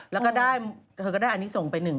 แล้วก็ได้อันนี้ส่งไป๑อัน